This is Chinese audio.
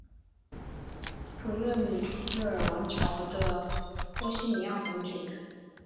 普热米斯尔王朝的波希米亚公爵。